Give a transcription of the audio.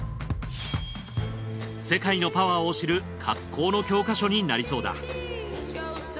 世界のパワーを知るかっこうの教科書になりそうだ。